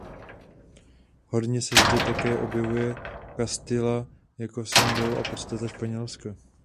Hodně se zde také objevuje Castilla jako symbol a podstata Španělska.